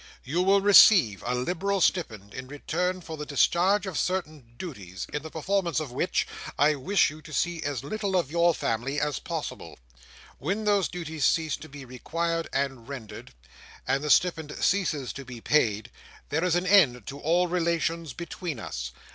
You will receive a liberal stipend in return for the discharge of certain duties, in the performance of which, I wish you to see as little of your family as possible. When those duties cease to be required and rendered, and the stipend ceases to be paid, there is an end of all relations between us.